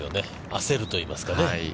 焦るといいますかね。